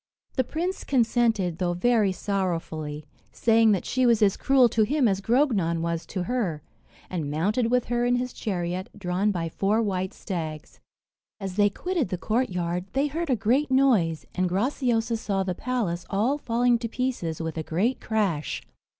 The prince consented, though very sorrowfully, saying that she was as cruel to him as Grognon was to her, and mounted with her in his chariot, drawn by four white stags. As they quitted the courtyard, they heard a great noise, and Graciosa saw the palace all falling to pieces with a great crash.